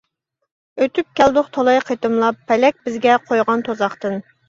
ئۆتۈپ كەلدۇق تالاي قېتىملاپ، پەلەك بىزگە قويغان تۇزاقتىن.